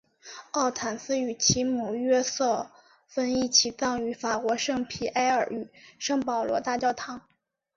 奥坦丝与其母约瑟芬一起葬于法国圣皮埃尔与圣保罗大教堂。